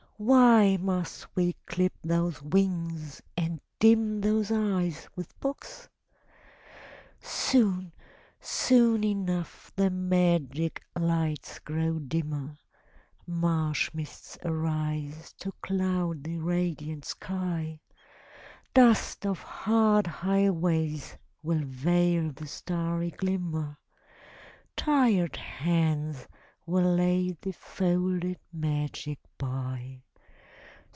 why must we clip those wings and dim those eyes with books? Soon, soon enough the magic lights grow dimmer, Marsh mists arise to cloud the radiant sky, Dust of hard highways will veil the starry glimmer, Tired hands will lay the folded magic by.